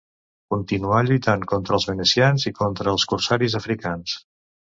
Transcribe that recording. Continuà lluitant contra els venecians i contra els corsaris africans.